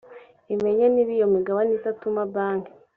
imenye niba iyo migabane itatuma banki